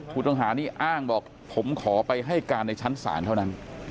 ผู้ต้องหานี่อ้างบอกผมขอไปให้การในชั้นศาลเท่านั้น